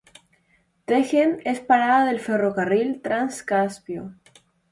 Tejen es parada del Ferrocarril Trans-Caspio.